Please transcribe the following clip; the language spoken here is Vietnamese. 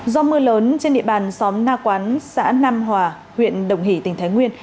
do mưa lớn trên địa bàn xóm na quán xã nam hòa huyện đồng hỷ tỉnh thái nguyên